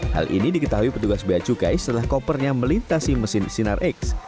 hal ini diketahui petugas bea cukai setelah kopernya melintasi mesin sinar x